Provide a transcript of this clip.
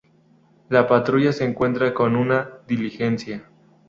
La patrulla se encuentra con una diligencia.